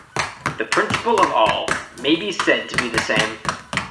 The principle of all may be said to be the same.